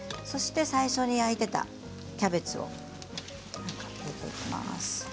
そして最初に焼いていたキャベツを入れていきます。